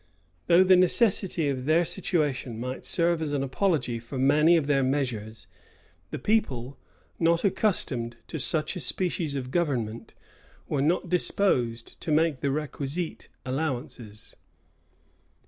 Though the necessity of their situation might serve as an apology for many of their measures, the people, not accustomed to such a species of government, were not disposed to make the requisite allowances.